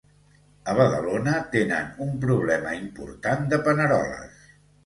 A Badalona, tenen un problema important de paneroles.